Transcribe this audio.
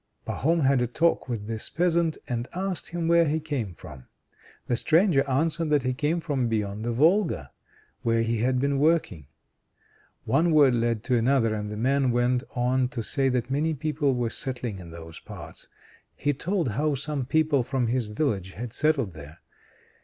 Pahom had a talk with this peasant and asked him where he came from. The stranger answered that he came from beyond the Volga, where he had been working. One word led to another, and the man went on to say that many people were settling in those parts. He told how some people from his village had settled there.